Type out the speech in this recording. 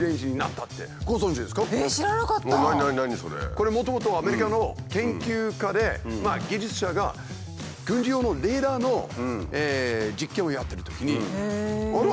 これもともとアメリカの研究家で技術者が軍事用のレーダーの実験をやってるときにあら？